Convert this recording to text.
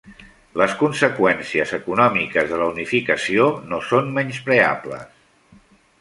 Les conseqüències econòmiques de la unificació no són menyspreables.